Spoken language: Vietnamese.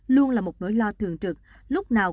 luôn là một nỗi lo thường trực lúc nào